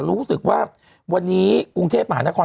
รู้สึกว่าวันนี้กรุงเทพมหานคร